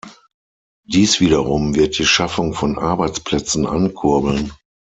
Dies wiederum wird die Schaffung von Arbeitsplätzen ankurbeln.